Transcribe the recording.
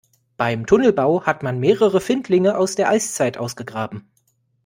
Beim Tunnelbau hat man mehrere Findlinge aus der Eiszeit ausgegraben.